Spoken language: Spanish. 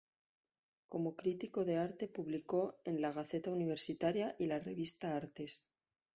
Como crítico de arte publicó en la "Gaceta Universitaria" y la revista "Artes".